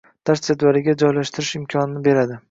Dars jadvaliga joylashtirish imkonini beradi.